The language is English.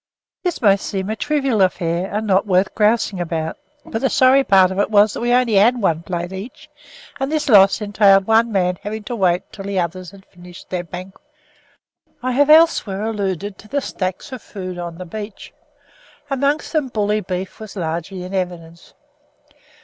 This may seem a trivial affair and not worth grousing about; but the sorry part of it was that we only had one plate each, and this loss entailed one man having to wait until the others had finished their banquet. I have elsewhere alluded to the stacks of food on the beach. Amongst them bully beef was largely in evidence.